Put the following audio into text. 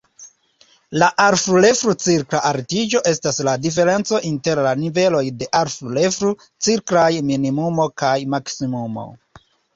La "alflu-reflu-cikla altiĝo" estas la diferenco inter la niveloj de alflu-reflu-ciklaj minimumo kaj maksimumo.